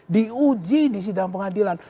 diuji di sidang pengadilan